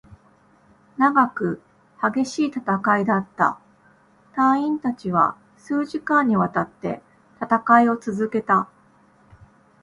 長く、激しい戦いだった。隊員達は数時間に渡って戦いを続けた。